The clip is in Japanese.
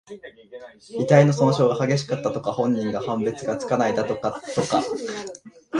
遺体の損傷が激しかった、とか。本人か判別がつかないほどだった、とか。